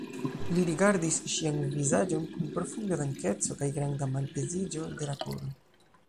Li rigardis ŝian vizaĝon kun profunda dankeco kaj granda malpeziĝo de la koro.